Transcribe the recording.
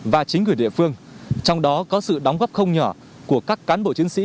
và chính quyền địa phương trong đó có sự đóng góp không nhỏ của các cán bộ chiến sĩ